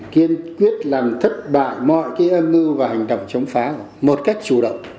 kiên quyết làm thất bại mọi âm mưu và hành động chống phá một cách chủ động